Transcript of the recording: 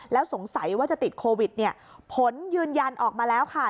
แล้วสงสัยว่าจะติดโควิดเนี่ยผลยืนยันออกมาแล้วค่ะ